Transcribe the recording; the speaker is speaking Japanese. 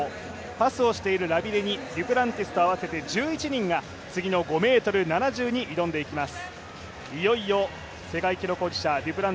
パスをしているラビレニ、デュプランティスと合わせて１１人が次の５ｍ７０に挑んでいきます。